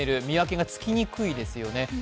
見分けがつきにくいですよね。